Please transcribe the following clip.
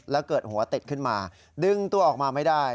แล้วเกิดหัวติดขึ้นมาดึงตัวออกมาไม่ได้